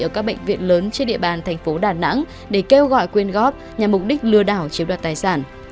ở các bệnh viện lớn trên địa bàn thành phố đà nẵng để kêu gọi quyên góp nhằm mục đích lừa đảo chiếm đoạt tài sản